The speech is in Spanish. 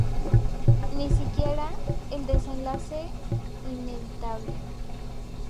Ni siquiera, el desenlace inevitable.